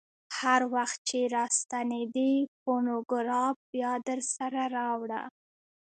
هر وخت چې راستنېدې فونوګراف بیا درسره راوړه.